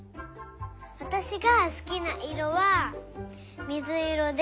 わたしがすきないろはみずいろです。